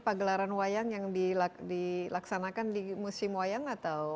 pagelaran wayang yang dilaksanakan di musim wayang atau